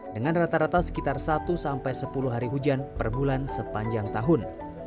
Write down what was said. dengan rata rata sekitar satu sampai sepuluh hari hujan per bulan sepanjang tahun